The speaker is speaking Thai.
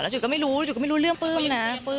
จุ๋ก็ไม่รู้จุ๋ยก็ไม่รู้เรื่องปลื้มนะ